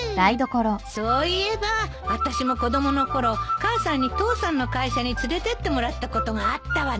そういえば私も子供の頃母さんに父さんの会社に連れてってもらったことがあったわね。